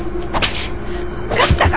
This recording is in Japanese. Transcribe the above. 分かったか？